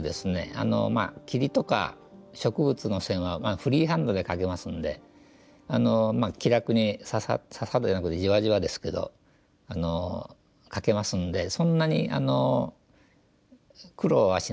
あのまあ霧とか植物の線はフリーハンドで描けますんであのまあ気楽にササッササッじゃなくてじわじわですけど描けますんでそんなに苦労はしないですね。